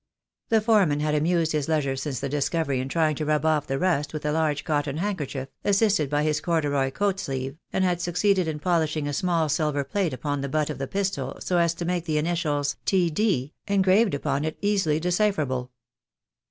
The foreman had amused his leisure since the discovery in trying to rub off the rust with a large cotton handkerchief, assisted by his corduroy coat sleeve, and had succeeded in polish ing a small silver plate upon the butt of the pistol so as to make the initials "T. D." engraved upon it easily de cipherable.